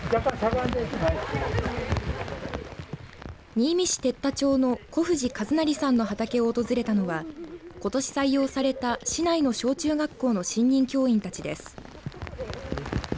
新見市哲多町の小藤一成さんの畑を訪れたのはことし採用された市内の小中学校の新任教員たちです。